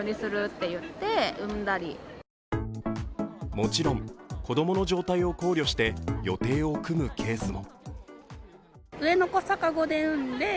もちろん子供の状態を考慮して予定を組むケースも。